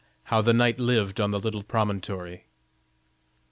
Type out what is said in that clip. HOW THE KNIGHT LIVED ON THE LITTLE PROMONTORY.